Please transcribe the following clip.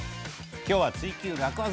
今日は「ツイＱ楽ワザ」。